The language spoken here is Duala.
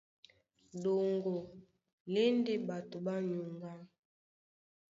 Ɗoŋgo lá e ndé ɓato ɓá nyuŋgá.